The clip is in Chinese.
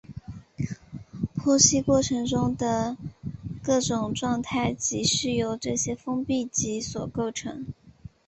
剖析过程中的各种状态即是由这些封闭集所构成。